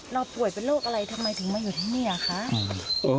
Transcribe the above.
ถ้าผ่วยเป็นโรคอะไรทำไมถึงมาอยู่ที่นี่